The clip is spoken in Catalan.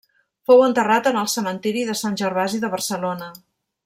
Fou enterrat en el cementiri de Sant Gervasi de Barcelona.